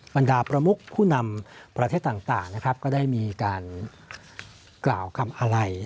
บรรดาประมุขผู้นำประเทศต่างก็ได้มีการกราวกล่าวคำอะไร